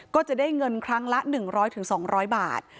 ก็จะได้เงินครั้งละ๑๐๐๒๐๐บาท